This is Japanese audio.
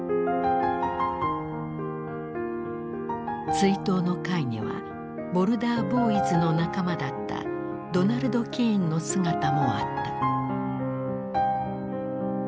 追悼の会にはボルダー・ボーイズの仲間だったドナルド・キーンの姿もあった。